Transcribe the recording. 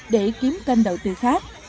để kiếm kênh đầu tư khác